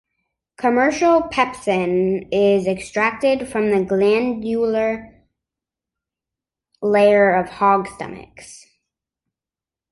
Commercial pepsin is extracted from the glandular layer of hog stomachs.